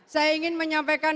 saya ingin menyampaikan